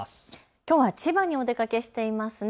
きょうは千葉にお出かけしていますね。